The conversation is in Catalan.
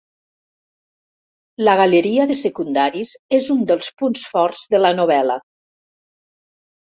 La galeria de secundaris és un dels punts forts de la novel·la.